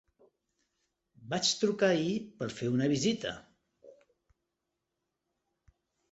Vaig trucar ahir per fer una visita.